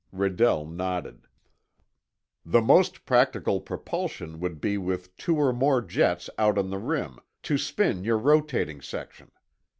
Redell nodded. "The most practical propulsion would be with two or more jets out on the rim, to spin your rotating section.